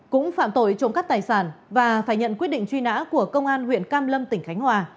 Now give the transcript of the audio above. cũng phạm tội trộm cắt tài sản và phải nhận quyết định truy nã của công an huyện cam lâm tỉnh khánh hòa